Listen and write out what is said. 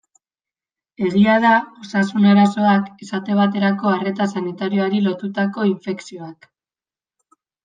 Egia da osasun arazoak, esate baterako arreta sanitarioari lotutako infekzioak.